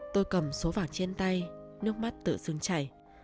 tôi cầm số vàng trên tay nước mắt tự dưng chảy